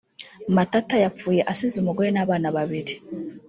Matata yapfuye asize umugore n’abana babiri